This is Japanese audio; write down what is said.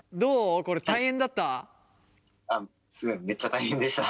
これ大変だった？